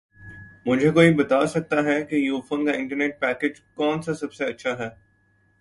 مجھے کوئی بتا سکتا ہے کہ یوفون کا انٹرنیٹ پیکج کون سا سب سے اچھا ہے